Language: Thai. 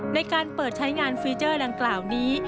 ในการเปิดใช้งานฟีเจอร์ดังกล่าวนี้